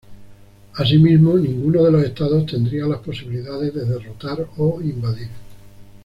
Asimismo, ninguno de los estados tendría las posibilidades de derrotar o invadir.